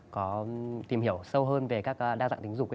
có tìm hiểu sâu hơn về các đa dạng tính dụng